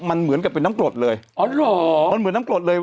มันเหมือนกับเป็นน้ำกรดเลยอ๋อเหรอมันเหมือนน้ำกรดเลย